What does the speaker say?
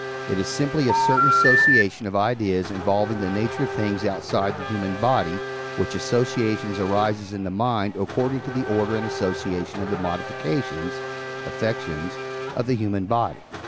It is simply a certain association of ideas involving the nature of things outside the human body, which association arises in the mind according to the order and association of the modifications (affectiones) of the human body.